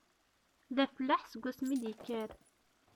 D afellaḥ seg wasmi i d-yekker.